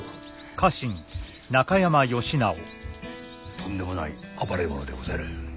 とんでもない暴れ者でござる。